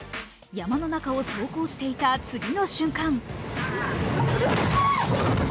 山の中を走行していた次の瞬間